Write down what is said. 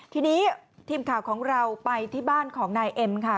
ทีนี้ทีมข่าวของเราไปที่บ้านของนายเอ็มค่ะ